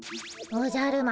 おじゃる丸